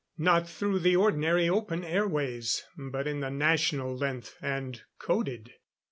Not through the ordinary open airways, but in the National Length, and coded.